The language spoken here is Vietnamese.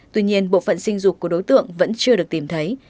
tuy nhiên bộ phận sinh dục của đối tượng vẫn chưa được tìm thấy